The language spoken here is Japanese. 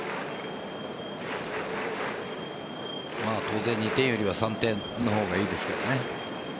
当然、２点よりは３点の方がいいですからね。